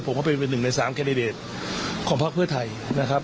ผมเขาเป็นหนึ่งใน๓แคนเดรตของพักเพื่อไทยนะครับ